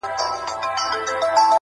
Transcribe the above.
کاڼی مي د چا په لاس کي وليدی؛